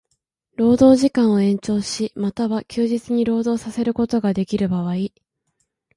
労働時間を延長し、又は休日に労働させることができる場合